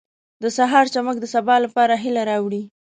• د سهار چمک د سبا لپاره هیله راوړي.